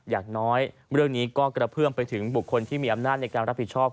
อย่างน้อยเรื่องนี้ก็กระเพื่อมไปถึงบุคคลที่มีอำนาจในการรับผิดชอบ